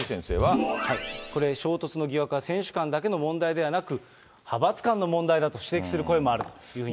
これ、衝突の疑惑は、選手間だけの問題ではなく、派閥間の問題だと指摘する声もあるというふうに。